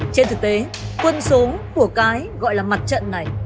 trên thực tế quân số của cái gọi là mặt trận này